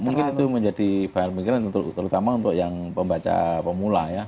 mungkin itu menjadi bahan pikiran terutama untuk yang pembaca pemula ya